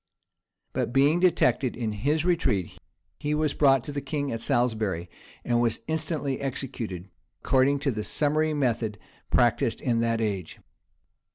But being detected in his retreat, he was brought to the king at Salisbury; and was instantly executed, according to the summary method practised in that age.